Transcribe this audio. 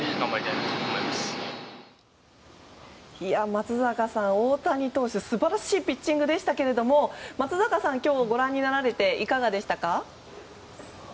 松坂さん、大谷投手素晴らしいピッチングでしたが松坂さん、今日ご覧になられていかがでしたか？